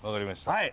はい。